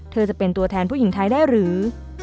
จะเป็นตัวแทนผู้หญิงไทยได้หรือ